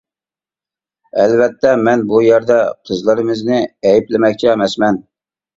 ئەلۋەتتە، مەن بۇ يەردە قىزلىرىمىزنى ئەيىبلىمەكچى ئەمەسمەن.